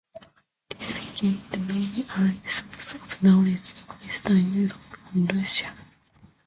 This became the main early source of knowledge in Western Europe on Russia.